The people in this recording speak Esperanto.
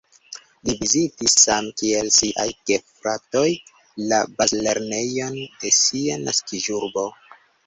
Li vizitis same kiel siaj gefratoj la bazlernejon de sia naskiĝurbo.